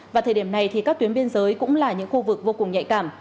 và thời điểm này thì các tuyến biên giới cũng là những khu vực vô cùng nhạy cảm